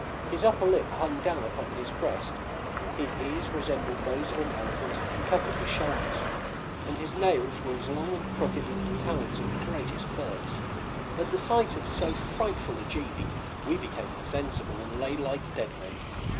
His upper lip hung down upon his breast. His ears resembled those of an elephant, and covered his shoulders; and his nails were as long and crooked as the talons of the greatest birds. At the sight of so frightful a genie, we became insensible, and lay like dead men.